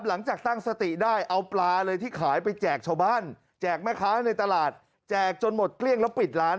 หลังจากตั้งสติได้เอาปลาเลยที่ขายไปแจกชาวบ้านแจกแม่ค้าในตลาดแจกจนหมดเกลี้ยงแล้วปิดร้าน